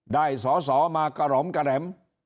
ได้สอสอมากระหล่อมกระแหลม